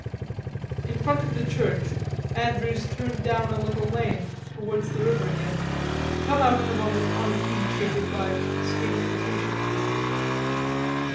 In front of the church Andrews turned down a little lane towards the river again, to come out in a moment on a quay shaded by skinny acacia trees.